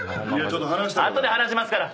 後で話しますから。